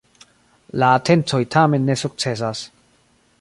La atencoj tamen ne sukcesas.